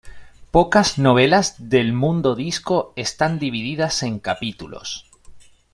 Pocas novelas del Mundodisco están divididas en capítulos.